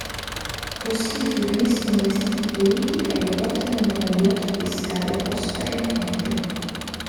Così gli forniscono vestiti puliti e lo portano nello yacht-bisca del boss per l'incontro.